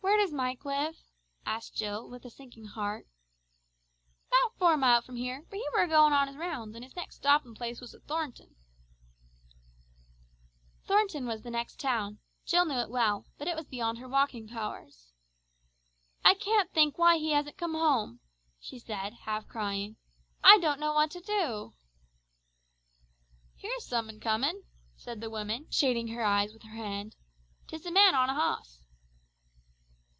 "Where does Mike live?" asked Jill with a sinking heart. "About four mile from here, but he were a goin' on his rounds, and his next stopping place was at Thornton." Thornton was the nearest town. Jill knew it well, but it was beyond her walking powers. "I can't think why he hasn't come home," she said half crying. "I don't know what to do." "Here's some un comin'," said the woman shading her eyes with her hand. "'Tis a man on a hoss."